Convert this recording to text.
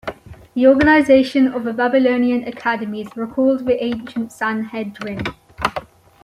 The organization of the Babylonian academies recalled the ancient Sanhedrin.